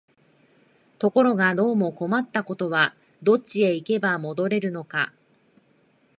ところがどうも困ったことは、どっちへ行けば戻れるのか、